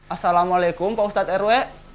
assalamualaikum pak ustadz rw